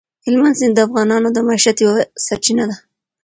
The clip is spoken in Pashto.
هلمند سیند د افغانانو د معیشت یوه سرچینه ده.